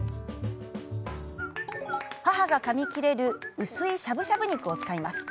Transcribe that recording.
母がかみ切れる薄いしゃぶしゃぶ肉を使います。